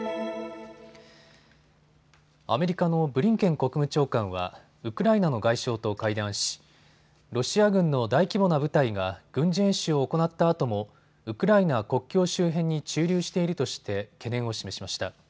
アメリカのブリンケン国務長官はウクライナの外相と会談し、ロシア軍の大規模な部隊が軍事演習を行ったあともウクライナ国境周辺に駐留しているとして懸念を示しました。